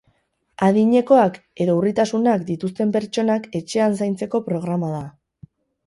Adinekoak edo urritasunak dituzten pertsonak etxean zaintzeko programa da.